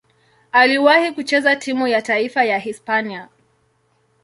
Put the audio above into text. Aliwahi kucheza timu ya taifa ya Hispania.